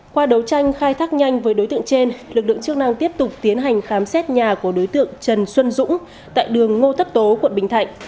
qua đấu tranh khai thác nhanh với đối tượng trên lực lượng chức năng tiếp tục tiến hành khám xét nhà của đối tượng trần xuân dũng tại đường ngô tất tố quận bình thạnh